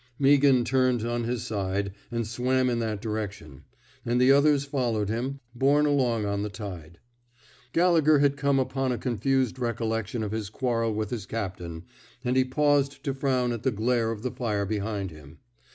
Meaghan turned on his side, and swam in that direction; and the others followed him, borne along on the tide. Gallegher had come upon a confused recollection of his quarrel with his cap tain, and he paused to frown at the glare of the fire behind him.